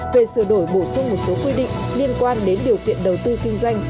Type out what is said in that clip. về sửa đổi bổ sung một số quy định liên quan đến điều kiện đầu tư kinh doanh